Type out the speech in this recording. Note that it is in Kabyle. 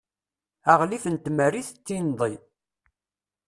aɣlif n tmerrit d tinḍi